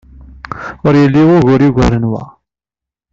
Ur yelli wugur yugaren wa.